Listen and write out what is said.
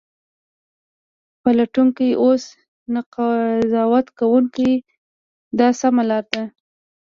پلټونکی اوسه نه قضاوت کوونکی دا سمه لار ده.